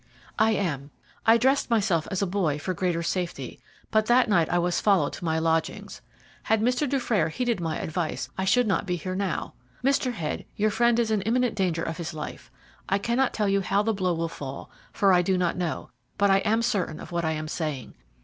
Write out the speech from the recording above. "I am. I dressed myself as a boy for greater safety, but that night I was followed to my lodgings. Had Mr. Dufrayer heeded my advice I should not be here now. Mr. Head, your friend is in imminent danger of his life. I cannot tell you how the blow will fall, for I do not know, but I am certain of what I am saying.